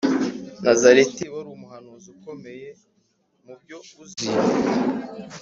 Nazareti wari umuhanuzi ukomeye mu byo uzi